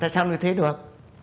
sao như thế được